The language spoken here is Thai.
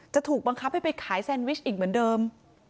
จะถูกบังคับให้ไปขายแซนวิชอีกเหมือนเดิม